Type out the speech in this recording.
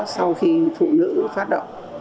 sau khi phụ nữ phát động